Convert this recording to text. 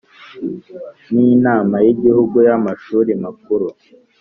N inama y igihugu y amashuri makuru